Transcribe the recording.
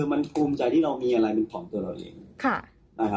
มันภูมิใจที่เรามีอะไรเป็นของตัวเราเอง